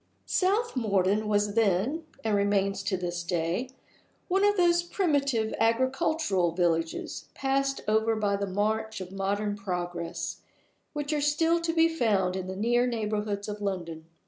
South Morden was then (and remains to this day) one of those primitive agricultural villages, passed over by the march of modern progress, which are still to be found in the near neighborhood of London.